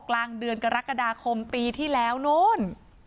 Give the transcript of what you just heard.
กลางเดือนกรกฎาคมปีที่แล้วนู้น